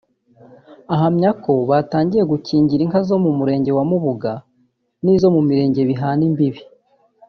Ahamya ko batangiye gukingira inka zo mu Murenge wa Mubuga n’izo mu mirenge bihana imbibi